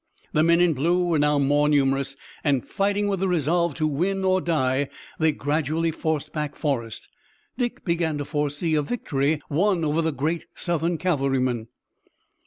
The men in blue were now more numerous, and, fighting with the resolve to win or die, they gradually forced back Forrest. Dick began to foresee a victory won over the great Southern cavalryman.